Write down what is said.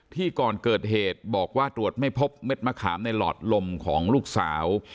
ก่อนเกิดเหตุบอกว่าตรวจไม่พบเม็ดมะขามในหลอดลมของลูกสาว